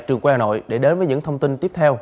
trường quay hà nội để đến với những thông tin tiếp theo